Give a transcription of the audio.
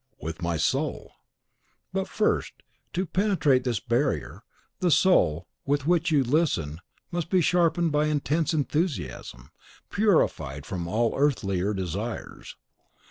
"With my soul!" "But first, to penetrate this barrier, the soul with which you listen must be sharpened by intense enthusiasm, purified from all earthlier desires.